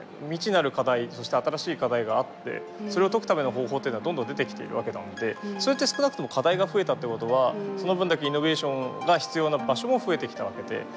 未知なる課題そして新しい課題があってそれを解くための方法っていうのはどんどん出てきているわけなんでそれって少なくとも課題が増えたってことはその分だけイノベーションが必要な場所も増えてきたわけで。